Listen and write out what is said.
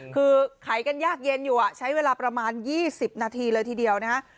คือขายกันยากเย็นอยู่ใช้เวลาประมาณ๒๐นาทีเลยทีเดียวนะฮะ